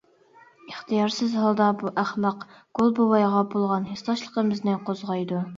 ئىختىيارسىز ھالدا بۇ ئەخمەق، گول بوۋايغا بولغان ھېسداشلىقىمىزنى قوزغايدۇ.